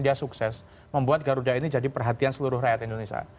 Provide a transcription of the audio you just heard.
dia sukses membuat garuda ini jadi perhatian seluruh rakyat indonesia